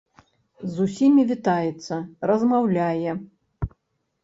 З усімі вітаецца, размаўляе.